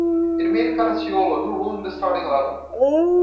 It made Caracciolo no room in starting eleven.